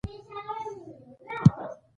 د ډیپریشن د مغز سیروټونین کموي.